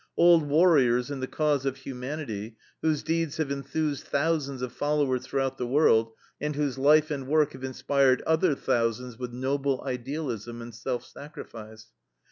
Old warriors in the cause of humanity, whose deeds have enthused thousands of followers throughout the world, and whose life and work have inspired other thousands with noble idealism and self sacrifice.